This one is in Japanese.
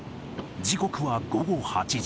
時刻は午後８時。